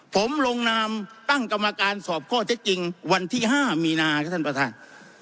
ผมลงนามตั้งกรรมการสอบข้อเท็จจริงวันที่๕มีนาครับท่านประธาน